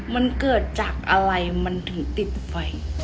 มันเกิดจากอะไรมันถึงติดไฟ